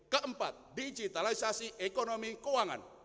keempat digitalisasi ekonomi keuangan